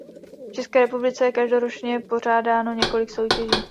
V České republice je každoročně pořádáno několik soutěží.